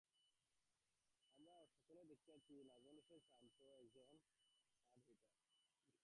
আমরা পূর্বেই দেখিয়াছি, সগুণ ঈশ্বরের ধারণাও এইরূপ সামান্যীকরণের ফল।